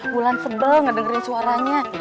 mulan sebel ngedengerin suaranya